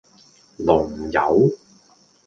龍友